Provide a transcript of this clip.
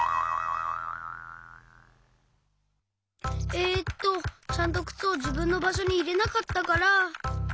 えっとちゃんとくつをじぶんのばしょにいれなかったから。